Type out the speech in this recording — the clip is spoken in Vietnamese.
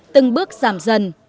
từng bước giảm dần